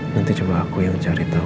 nanti coba aku yang cari tau